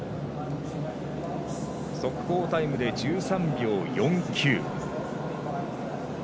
速報タイムで１３秒４９。